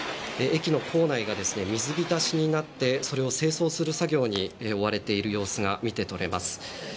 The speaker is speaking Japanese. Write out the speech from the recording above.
駅の構内が水浸しになってそれを清掃する作業に追われている様子が見て取れます。